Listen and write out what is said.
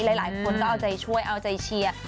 หลายคนก็เอาใจช่วยเอาใจเชียร์